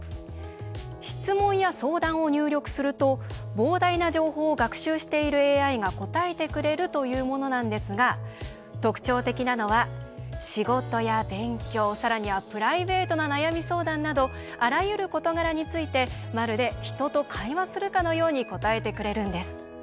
質問や相談を入力すると膨大な情報を学習しているＡＩが答えてくれるというものなんですが特徴的なのは仕事や勉強さらにはプライベートな悩み相談などあらゆる事柄についてまるで人と会話するかのように答えてくれるんです。